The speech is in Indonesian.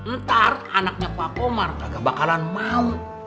ntar anaknya pak pomar nggak bakalan mau